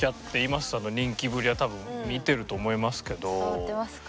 伝わってますか？